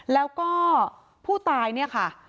แล้วก็ผู้ตายเนี่ยค่ะ